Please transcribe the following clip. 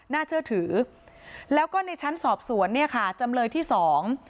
น่าเชื่อถือแล้วก็ในชั้นสอบสวนเนี่ยค่ะจำเลยที่สอง